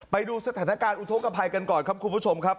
ไปดูสถานการณ์อุทธกภัยกันก่อนครับคุณผู้ชมครับ